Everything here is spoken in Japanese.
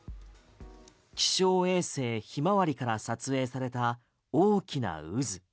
気象衛星ひまわりから撮影された大きな渦。